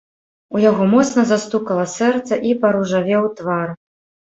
У яго моцна застукала сэрца і паружавеў твар.